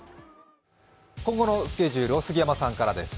今後のスケジュールを杉山さんからです。